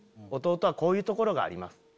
「弟はこういうところがあります。